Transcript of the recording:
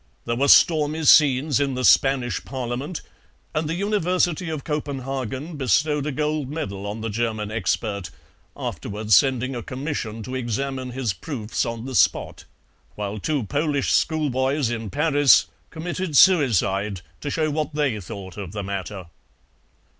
There were stormy scenes in the Spanish Parliament, and the University of Copenhagen bestowed a gold medal on the German expert (afterwards sending a commission to examine his proofs on the spot), while two Polish schoolboys in Paris committed suicide to show what THEY thought of the matter.